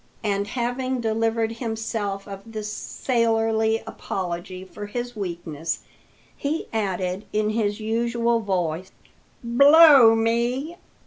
And having delivered himself of this sailorly apology for his weakness, he added in his usual voice: "Blow me!